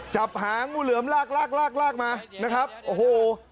จับหางมูเหลือมลากมานะครับโอ้โฮ